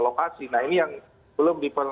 lokasi nah ini yang belum